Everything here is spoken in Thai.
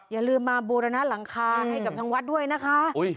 อย่าลืมมาบูรณะหลังคาให้กับทางวัดด้วยนะคะ